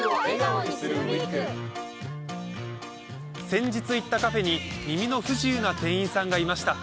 先日行ったカフェに耳の不自由な店員さんがいました。